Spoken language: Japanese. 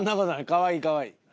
かわいいかわいい。